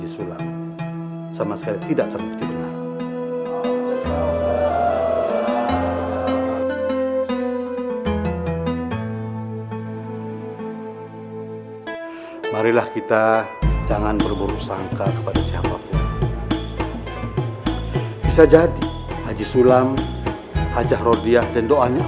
sampai jumpa di video selanjutnya